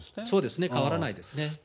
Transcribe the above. そうですね、変わらないですね。